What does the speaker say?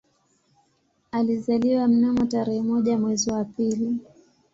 Alizaliwa mnamo tarehe moja mwezi wa pili